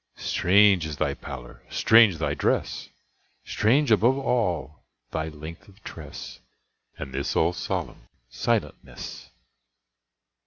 Strange is thy pallor! strange thy dress! Strange, above all, thy length of tress, And this all solemn silentness!